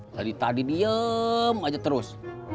dari tadi diem aja terus